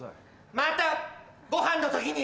またごはんの時に！